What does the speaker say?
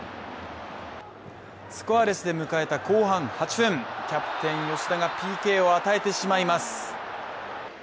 スコアレスで迎えた後半８分キャプテン吉田がＰＫを与えてしまいます。